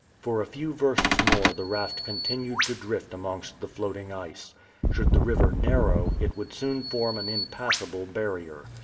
For a few versts more the raft continued to drift amongst the floating ice. Should the river narrow, it would soon form an impassable barrier.